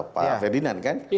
pak ferdinand kan